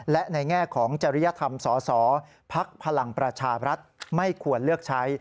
และในแง่ของจริยธรรมสสพักพลังประชาบรัฐไม่ควรเลือกใช้